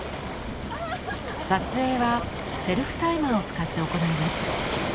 撮影はセルフタイマーを使って行います。